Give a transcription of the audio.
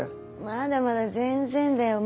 まだまだ全然だよ。